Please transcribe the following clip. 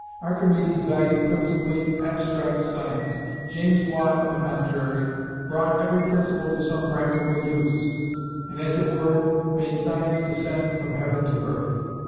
Archimedes valued principally abstract science; James Watt, on the contrary, brought every principle to some practical use; and, as it were, made science descend from heaven to earth.